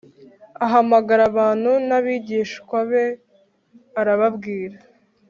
Ahamagara abantu n abigishwa be arababwira